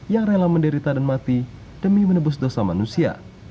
yang rela menderita dan mati demi menebus dosa manusia